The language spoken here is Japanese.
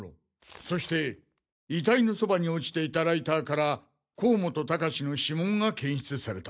そして遺体のそばに落ちていたライターから甲本高士の指紋が検出された。